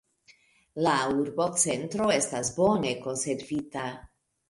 La urbocentro estas bone konservita.